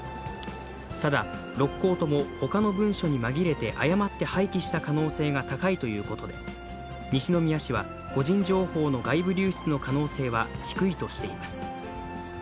ただ、６校ともほかの文書に紛れて誤って廃棄した可能性が高いということで、西宮市は個人情報の外部流出の可能性は低いとしています。